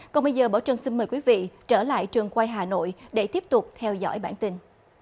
còn bây giờ bảo trân xin mời quý vị trở lại trường quay hà nội để tiếp tục theo dõi bản tin